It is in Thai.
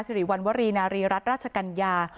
สิริวัณวรีนารีรัฐราชกัญญา